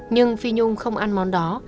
nhưng phí nhung không ăn món đó